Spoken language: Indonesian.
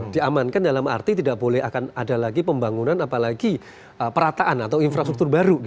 diamankan dalam arti tidak boleh akan ada lagi pembangunan apalagi perataan atau infrastruktur baru